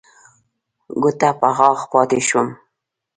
ګوته په غاښ پاتې شوم.